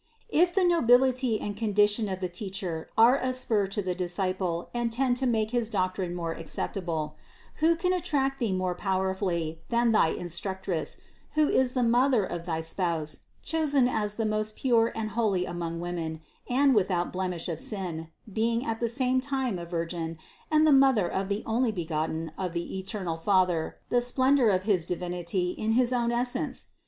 "If the nobility and condition of the teacher are a spur to the disciple and tend to make his doctrine more acceptable, who can attract thee more powerfully than thy Instructress, who is the Mother of thy Spouse, chosen as the most pure and holy among women, and without blem ish of sin, being at the same time a Virgin and the Mother of the Onlybegotten of the eternal Father, the splendor of his Divinity in his own essence?